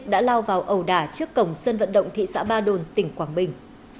đã lao vào ẩu đà trước cổng sơn vận động thị xã ba đồn tỉnh quảng bình